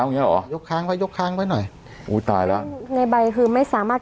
อย่างเงี้เหรอยกค้างไว้ยกค้างไว้หน่อยอุ้ยตายแล้วในใบคือไม่สามารถ